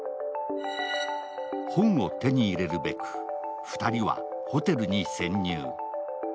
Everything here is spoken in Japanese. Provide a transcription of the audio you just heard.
本を手に入れるべく、２人はホテルに潜入。